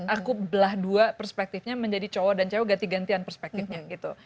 aku belah dua perspektifnya menjadi cowok dan cewek ganti gantian perspektifnya gitu